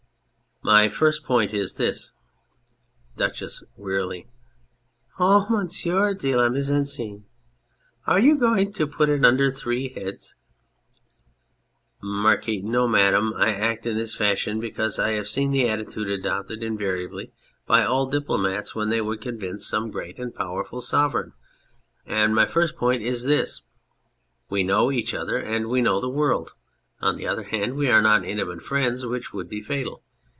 My first point is this DUCHESS (wearily). Oh, Monsieur de la Mise en Scene, are you going to put it under three heads ? MARQUIS. No, Madam, I act in this fashion because I have seen the attitude adopted invariably by all diplomats when they would convince some great 216 The Candour of Maturity and powerful Sovereign ; and my first point is this : We know each other and we know the world. On the other hand, we are not intimate friends, which would be fatal.